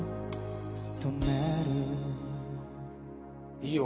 いいよ。